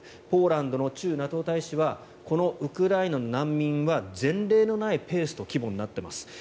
ポーランドの駐ＮＡＴＯ大使はこのウクライナの難民は前例のないペースと規模になっています。